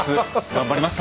頑張ります